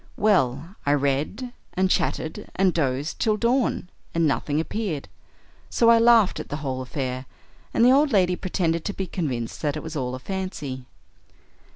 Well, I read and chatted and dozed till dawn and nothing appeared, so I laughed at the whole affair, and the old lady pretended to be convinced that it was all a fancy.